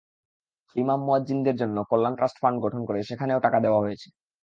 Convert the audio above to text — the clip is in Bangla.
ইমাম-মুয়াজ্জিনদের জন্য কল্যাণ ট্রাস্ট ফান্ড গঠন করে সেখানেও টাকা দেওয়া হয়েছে।